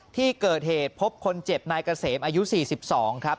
ที่เกิดเหตุพบคนเจ็บนายเกษมอายุ๔๒ครับ